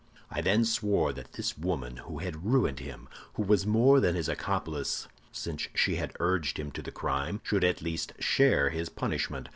"I then swore that this woman who had ruined him, who was more than his accomplice, since she had urged him to the crime, should at least share his punishment.